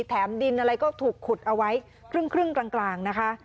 แถมดินอะไรก็ถูกขุดเอาไว้ครึ่งกลางนะคะ